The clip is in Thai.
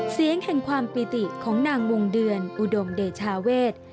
เสียงแห่งความปิติของนางวงเดือนอุดมเดชาเวท